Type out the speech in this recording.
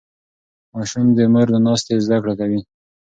ماشوم د مور له ناستې زده کړه کوي.